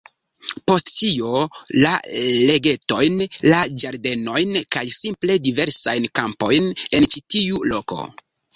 Post tio, la lagetojn, la ĝardenojn, kaj simple diversajn kampojn en ĉi tiu loko.